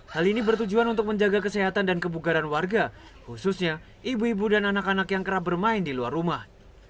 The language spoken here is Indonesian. hal ini bertujuan untuk menjaga kesehatan dan kebugaran warga khususnya ibu ibu dan anak anak yang kerap bermain di luar rumah